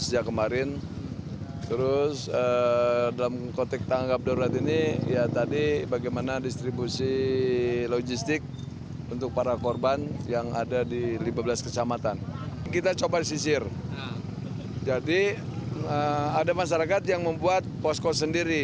jadi ada masyarakat yang membuat posko sendiri